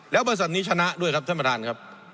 แล้วบริษัทนี้ชนะด้วยครับท่านประธานครับ